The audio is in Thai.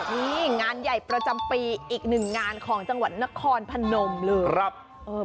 นี่งานใหญ่ประจำปีอีกหนึ่งงานของจังหวัดนครพนมเลย